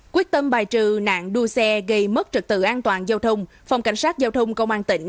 quyết tâm bài trừ nạn đua xe gây mất trật tự an toàn giao thông phòng cảnh sát giao thông công an tỉnh